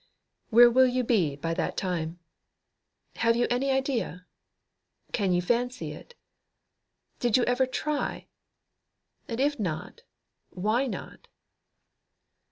Where will you be by that time? Have you any idea? Can you fancy it? Did you ever try? And if not, why not?